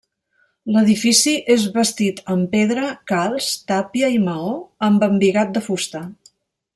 L'edifici és bastit amb pedra, calç, tàpia i maó amb embigat de fusta.